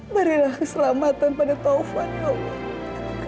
berilah keselamatan pada taufan allah